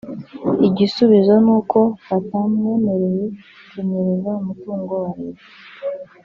Igisubizo n’uko batamwemereye kunyereza umutungo wa Leta